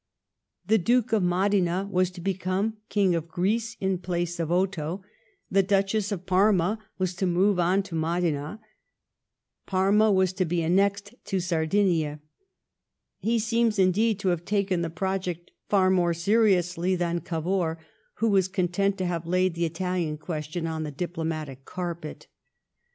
The Duke of Modena was to become King of Greece in place of Otho; the Duchess of Parma was to move on to Modena ; Parma was to be annexed to Sardinia. He seems, indeed, to have taken the project far more seriously than Oavour, who was content to have laid the Italian question on the diplomatic carpet.